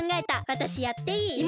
わたしやっていい？